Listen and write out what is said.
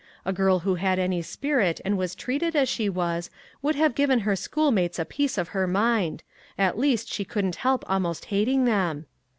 A girl, who had any spirit, and was treated as she was, would have given 335 MAG AND MARGARET her schoolmates a piece of her mind. At least, she couldn't help almost hating them."